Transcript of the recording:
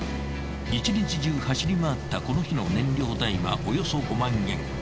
一日中走り回ったこの日の燃料代はおよそ５万円。